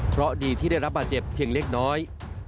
เพราะดีที่ได้รับบาดเจ็บเพียงเล็กน้อย